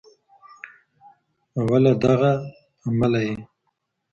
او له دغه امله یې